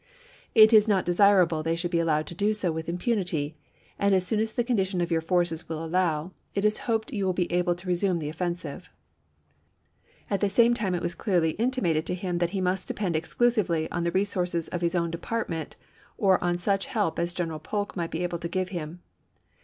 It is not desirable they should be allowed to do so with impunity; and as soon as the condition of your forces will ""N^rat^'e allow, it is hoped you will be able to resume the ° o^pera^'^^ offensive." At the same time it was clearly in pp/263^'264. timated to him that he must depend exclusively on the resources of his own department or on such help as General Polk might be able to give him.